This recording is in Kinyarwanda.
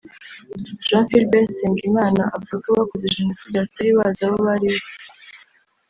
Jean Philbert Nsengimana avuga ko abakoze Jenoside batari bazi abo bari bo